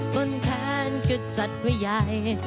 ต้นแค้นก็จัดไว้ใหญ่